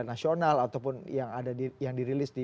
nasional ataupun yang ada di